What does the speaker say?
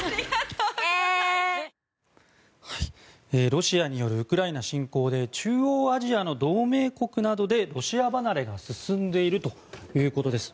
ロシアによるウクライナ侵攻で中央アジアの同盟国などでロシア離れが進んでいるということです。